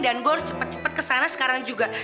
dan gue harus cepet cepet kesana sekarang juga